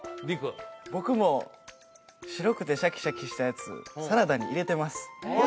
僕も白くてシャキシャキしたやつサラダに入れてます